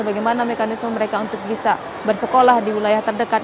bagaimana mekanisme mereka untuk bisa bersekolah di wilayah terdekat